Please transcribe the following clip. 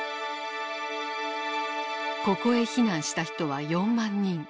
ここへ避難した人は４万人。